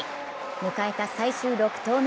迎えた最終６投目。